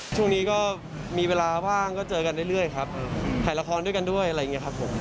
ช่วงนี้ก็มีเวลาว่างก็เจอกันเรื่อยครับถ่ายละครด้วยกันด้วยอะไรอย่างนี้ครับผม